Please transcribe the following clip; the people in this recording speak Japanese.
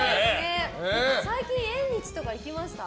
最近、縁日とか行きました？